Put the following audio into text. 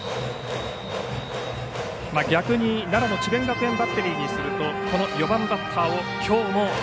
逆に奈良の智弁学園のバッテリーにするとこの４番バッター